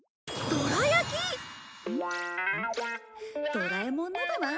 ドラえもんのだな。